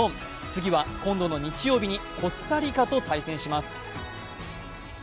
次は、今度の日曜日にコスタリカと対戦します。